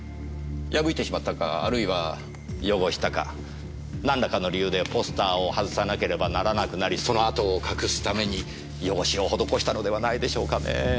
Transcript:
破いてしまったかあるいは汚したか何らかの理由でポスターを外さなければならなくなりその跡を隠すためにヨゴシを施したのではないでしょうかねぇ。